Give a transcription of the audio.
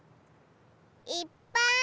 いっぱい！